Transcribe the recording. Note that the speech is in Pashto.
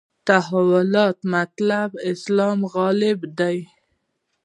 تحولاتو مطلب اسلام غلبه ده.